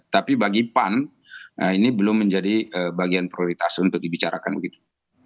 tapi bagi pan ini belum menjadi bagian prioritas untuk dibicarakan begitu